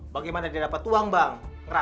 bagaimana dia dapat uang bang